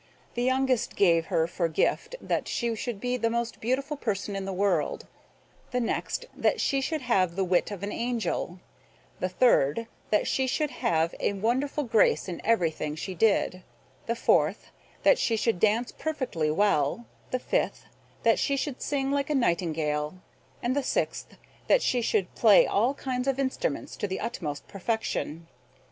The youngest gave her for gift that she should be the most beautiful person in the world; the next, that she should have the wit of an angel; the third, that she should have a wonderful grace in everything she did; the fourth, that she should dance perfectly well; the fifth, that she should sing like a nightingale; and the sixth, that she should play all kinds of music to the utmost perfection.